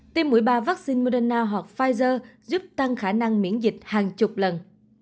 tiêm mũi ba vaccine moderna hoặc pfizer giúp tăng khả năng miễn dịch hàng chục lần